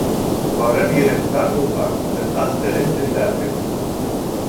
Барыр ерең тар булһа, сыҡҡас телең тешләрһең.